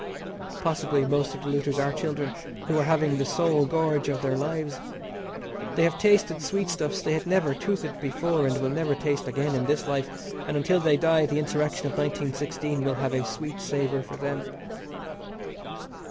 Possibly most of the looters are children who are having the sole gorge of their lives. They have tasted sweetstuffs they had never toothed before, and will never taste again in this life, and until they die the insurrection of 1916 will have a sweet savour for them.